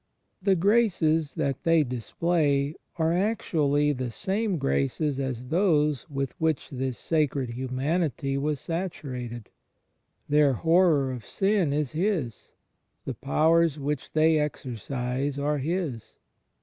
The graces that they display are actually the same graces as those with which this Sacred Humanity was saturated; their horror of sin is His; the powers which they exercise are His.